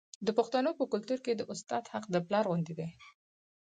د پښتنو په کلتور کې د استاد حق د پلار غوندې دی.